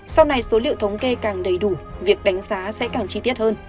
sau này số liệu thống kê càng đầy đủ việc đánh giá sẽ càng chi tiết hơn